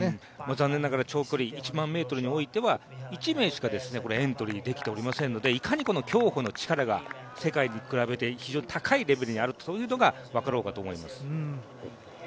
残念ながら長距離１００００ｍに関しては１名しかエントリーできていませんのでいかにこの競歩の力が世界に比べると非常に高いレベルにあるのかということが分かろうかと思います。